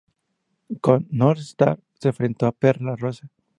Con Northstar se enfrentó a Perla Rosa.